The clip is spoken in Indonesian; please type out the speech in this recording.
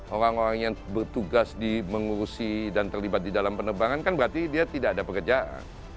orang orang yang bertugas di mengurusi dan terlibat di dalam penerbangan kan berarti dia tidak ada pekerjaan